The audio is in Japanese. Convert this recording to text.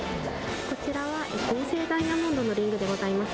こちらは合成ダイヤモンドのリングでございます。